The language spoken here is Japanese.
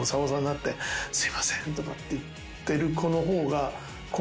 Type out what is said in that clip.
すいませんとかって言ってる子の方が。